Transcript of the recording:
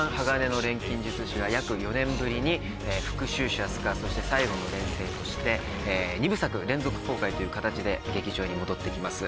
『鋼の錬金術師』が約４年ぶりに『復讐者スカー』そして『最後の錬成』として２部作連続公開という形で劇場に戻って来ます。